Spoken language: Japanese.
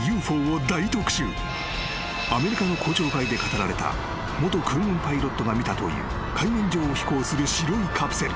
［アメリカの公聴会で語られた元空軍パイロットが見たという海面上を飛行する白いカプセル］